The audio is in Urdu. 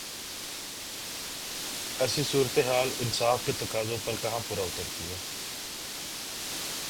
ایسی صورتحال انصاف کے تقاضوں پر کہاں پورا اترتی ہے؟